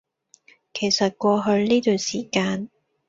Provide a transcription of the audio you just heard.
其實過去呢段時間